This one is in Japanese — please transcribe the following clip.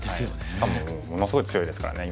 しかもものすごい強いですからね